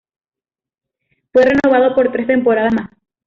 Fue renovado por tres temporadas más.